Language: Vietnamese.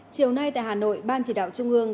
chiều nay tại hà nội ban chỉ đạo trung ương